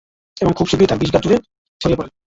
এবং খুব শীঘ্রই তার বিষ গাছ জুড়ে ছড়িয়ে পড়ে।